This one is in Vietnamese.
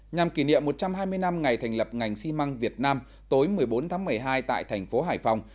nhằm kỷ niệm một trăm hai mươi năm ngày thành lập ngành xi măng việt nam tối một mươi bốn tháng một mươi hai tại thành phố hải phòng